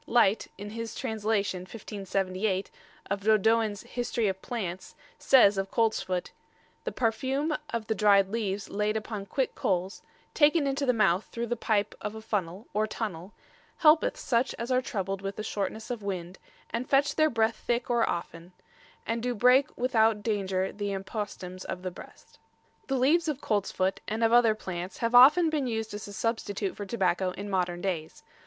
Lyte, in his translation, 1578, of Dodoens' "Historie of Plants," says of coltsfoot: "The parfume of the dryed leaves layde upon quicke coles, taken into the mouth through the pipe of a funnell, or tunnell, helpeth suche as are troubled with the shortnesse of winde, and fetche their breath thicke or often, and do breake without daunger the impostems of the breast." The leaves of coltsfoot and of other plants have often been used as a substitute for tobacco in modern days.